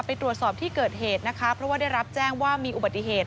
ไปตรวจสอบที่เกิดเหตุนะคะเพราะว่าได้รับแจ้งว่ามีอุบัติเหตุ